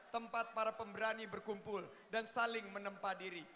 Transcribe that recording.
tempat para pemberani berkumpul dan saling menempa diri